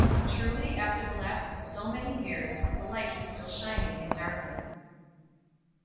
Truly, after the lapse of so many years, the light was still shining in darkness.